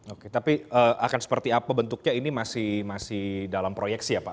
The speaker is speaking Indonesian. oke tapi akan seperti apa bentuknya ini masih dalam proyeksi ya pak